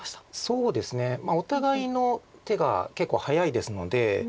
そうですねお互いの手が結構早いですので。